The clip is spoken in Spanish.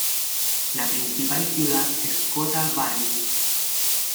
La principal ciudad es Kota Baru.